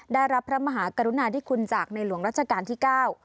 ได้รับพระมหากรุณาที่คุณจากในหลวงราชการที่๙